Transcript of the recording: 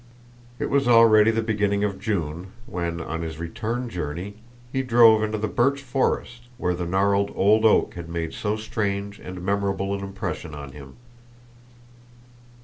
It was already the beginning of June when on his return journey he drove into the birch forest where the gnarled old oak had made so strange and memorable an impression on him.